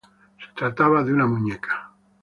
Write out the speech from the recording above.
Se trataba de una muñeca.